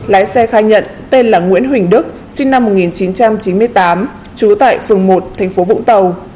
lái xe khai nhận tên là nguyễn huỳnh đức sinh năm một nghìn chín trăm chín mươi tám trú tại phường một thành phố vũng tàu